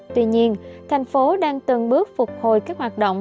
tuy nhiên thành phố đang từng bước phục hồi các hoạt động